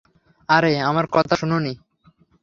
আরে, আমার কথা শুনোনি?